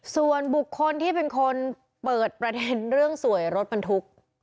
ส่วนบุคคลที่เป็นคนเปิดประเด็นเรื่องสวยรถบรรทุก